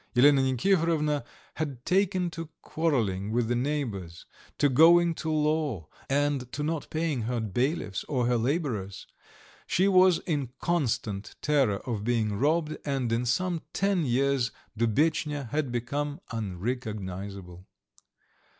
Elena Nikiforovna had taken to quarrelling with the neighbours, to going to law, and to not paying her bailiffs or her labourers; she was in constant terror of being robbed, and in some ten years Dubetchnya had become unrecognizable.